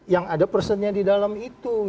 yang ada personnya di dalam itu